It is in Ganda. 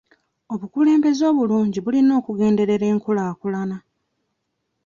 Obukulembeze obulungi bulina kugenderera enkulaakulana.